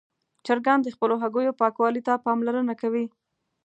چرګان د خپلو هګیو پاکوالي ته پاملرنه کوي.